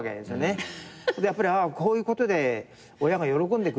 やっぱりこういうことで親が喜んでくれるんだ。